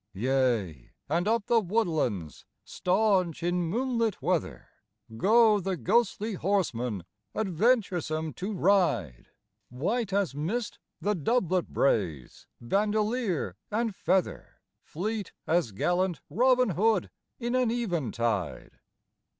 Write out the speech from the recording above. Yea, and up the woodlands, staunch in moonlit weather, Go the ghostly horsemen, adventuresome to ride, White as mist the doublet braize, bandolier and feather, Fleet as gallant Robin Hood in an eventide.